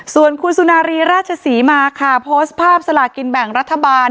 ส่วนคุณสุนารีราชศรีมาค่ะโพสต์ภาพสลากินแบ่งรัฐบาล